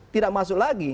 tidak masuk lagi